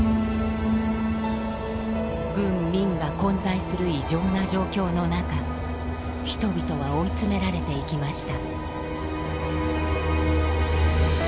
軍民が混在する異常な状況の中人々は追い詰められていきました。